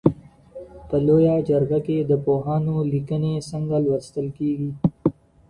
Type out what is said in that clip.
په لویه جرګه کي د پوهانو ليکني څنګه لوستل کیږي؟